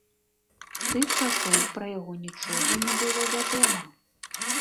З тых часоў пра яго нічога не было вядома.